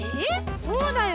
そうだよ！